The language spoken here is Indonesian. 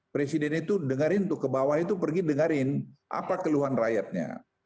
presiden itu dengerin tuh ke bawah itu pergi dengerin apa keluhan rakyatnya